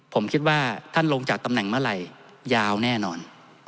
ผมคิดว่าท่านลงจากตำแหน่งเมื่อไหร่ยาวแน่นอน